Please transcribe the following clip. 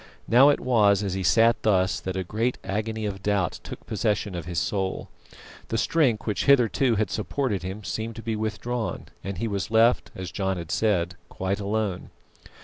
Now it was as he sat thus that a great agony of doubt took possession of his soul. The strength which hitherto had supported him seemed to be withdrawn, and he was left, as John had said, "quite alone."